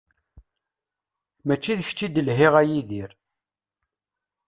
Mačči d kečč i d-lhiɣ a Yidir.